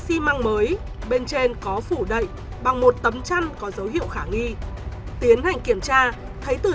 xi măng mới bên trên có phủ đậy bằng một tấm chăn có dấu hiệu khả nghi tiến hành kiểm tra thấy từ